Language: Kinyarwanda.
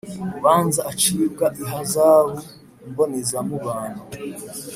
urubanza acibwa ihazabu mbonezamubano